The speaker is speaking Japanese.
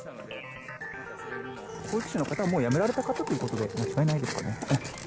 保育士の方はもう辞められた方ということで、間違いないですかね。